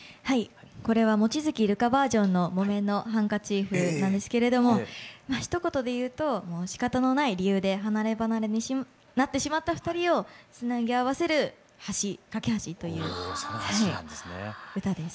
これは望月琉叶バージョンの「木綿のハンカチーフ」なんですけれどもひと言で言うとしかたのない理由で離ればなれになってしまった２人をつなぎ合わせる懸け橋という歌です。